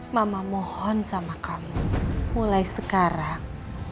mama mohon sama kamu mulai sekarang